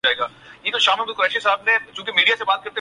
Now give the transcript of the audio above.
موقف کی صحت کے بارے میں البتہ دو آرا ہو سکتی ہیں۔